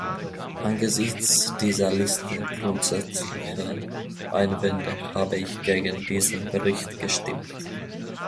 Angesichts dieser Liste grundsätzlicher Einwände habe ich gegen diesen Bericht gestimmt.